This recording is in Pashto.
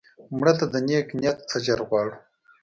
مړه ته د نیک نیت اجر غواړو